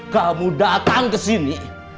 kamu datang kesini